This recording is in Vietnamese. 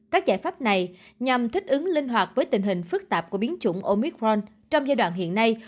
các giải pháp này nhằm thích ứng linh hoạt với tình hình phức tạp của biến chủng omicron trong giai đoạn hiện nay